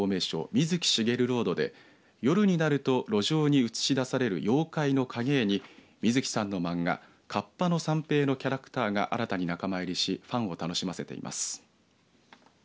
水木しげるロードで夜になると路上に映し出される妖怪の影絵に水木さんの漫画河童の三平のキャラクターが新たに仲間入りしファンを楽しませています。